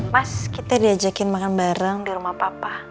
mas kita diajakin makan bareng di rumah papa